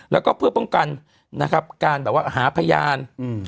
แล้วก็เพื่อป้องกันเนี่ยการแบบว่าหาพยาน